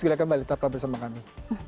silakan balik tetap bersama kami